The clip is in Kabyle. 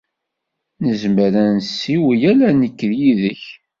Nezmer ad nessiwel ala nekk yid-k?